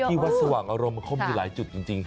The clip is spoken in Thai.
ที่วัดสว่างอารมณ์เขามีหลายจุดจริง